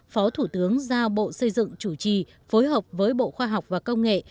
phó thủ tướng giao bộ xây dựng chủ trì phối hợp với bộ khoa học và công nghệ